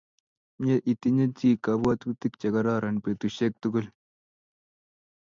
Mye itinye chi kapwotutik chekororon petusyek tukul